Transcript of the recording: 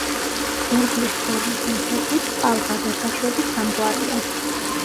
ზღურბლის ფორმის მიხედვით წყალგადასაშვები სამგვარია.